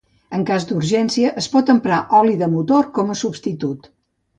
En cas d'urgència es pot emprar oli de motor com a substitut.